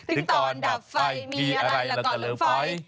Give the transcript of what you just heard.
ถึงตอนดับไฟมีอะไรแล้วก็เลิกไฟ